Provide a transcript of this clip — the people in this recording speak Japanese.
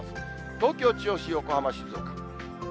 東京、銚子、横浜、静岡。